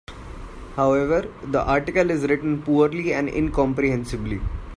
However, the article is written poorly and incomprehensibly.